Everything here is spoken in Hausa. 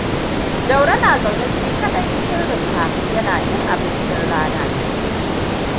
Jauroa na zaune shi kaɗai cikin rumfa, yana cin abincin rana.